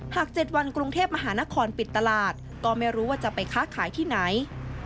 ๗วันกรุงเทพมหานครปิดตลาดก็ไม่รู้ว่าจะไปค้าขายที่ไหน